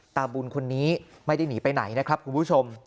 ตาบุญคนนี้ไม่ได้หนีไปไหนนะครับคุณผู้ชม